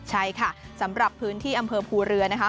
ใช่ค่ะสำหรับพื้นที่อำเภอภูเรือนะคะ